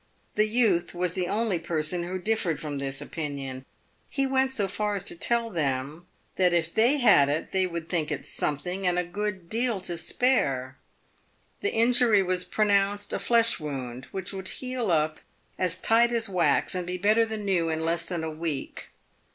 The youth was the only person who differed from this opinion. He went so far as to tell them that if they " had it," they would think it some PAYED WITH GOLD. 355 thing, and a good deal to spare. The injury was pronounced a flesh wound, which would heal up as tight as wax and be better than new in less than a week.